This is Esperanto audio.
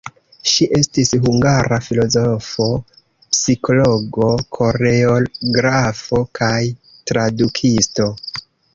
Ŝi estis hungara filozofo, psikologo, koreografo kaj tradukisto.